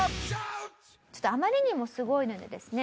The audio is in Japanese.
ちょっとあまりにもすごいのでですね